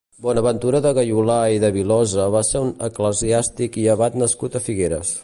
Bonaventura de Gayolà i de Vilosa va ser un eclesiàstic i abat nascut a Figueres.